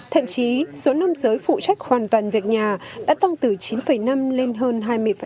thậm chí số nam giới phụ trách hoàn toàn việc nhà đã tăng từ chín năm lên hơn hai mươi